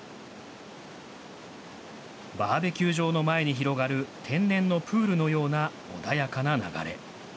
バーベキュー場の前に広がる天然のプールのような穏やかな流れ。